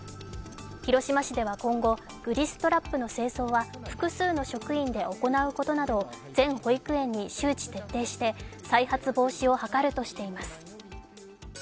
広島市では今後、グリストラップの清掃は複数の職員で行うことなどを全保育園に周知徹底して再発防止を図るとしています。